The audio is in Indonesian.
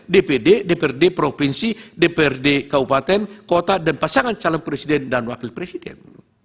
dpd dprd provinsi dprd kabupaten kota dan pasangan calon presiden dan wakil presiden